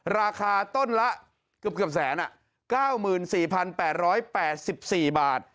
ราคาต้นละเกือบ๑๙๔๘๘๔บาท